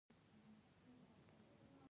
هندوکش د ځایي اقتصادونو یو بنسټ دی.